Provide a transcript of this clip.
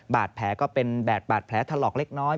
บาดแผลก็เป็นแบบบาดแผลถลอกเล็กน้อย